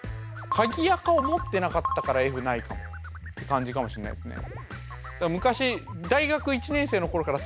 鍵アカを持ってなかったからＦないかもって感じかもしれないですね。